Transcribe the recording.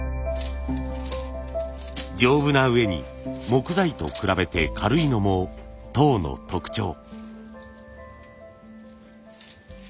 丈夫なうえに木材と比べて軽いのも籐の特徴。